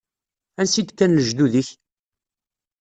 Ansi d-kkan lejdud-ik?